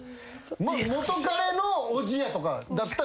元カレのおじやとかだったら。